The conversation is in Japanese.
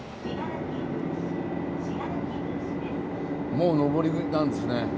もう上りなんですね。